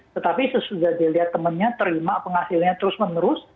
tetapi sesudah dilihat temannya terima penghasilnya terus menerus